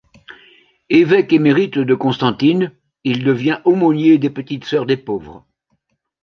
Évêque émérite de Constantine, il devient aumônier des Petites sœurs des pauvres.